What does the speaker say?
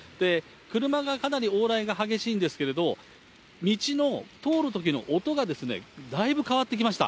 車がかなり往来が激しいんですけれども、道の通るときの音がだいぶ変わってきました。